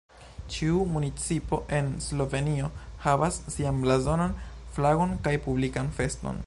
Ĉiu municipo en Slovenio havas sian blazonon, flagon kaj publikan feston.